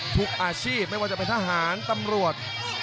ทุกอาชีพไม่ว่าจะเป็นทหารตำรวจ